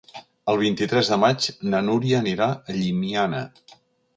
El vint-i-tres de maig na Núria anirà a Llimiana.